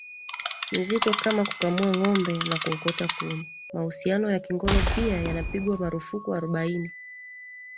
nzito kama kukamua ngombe na kuokota kuni Mahusiano ya kingono pia yanapigwa marufuku arobaini